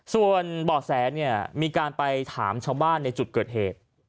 ส่วนบ่อแสเนี่ยมีการไปถามชาวบ้านในจุดเกิดเหตุ